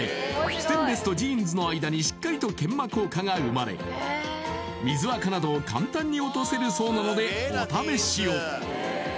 ステンレスとジーンズの間にしっかりと研磨効果が生まれ水あかなどを簡単に落とせるそうなのでお試しを！